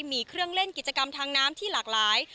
มีเครื่องเล่นกิจกรรมทางน้ำที่หลากหลาย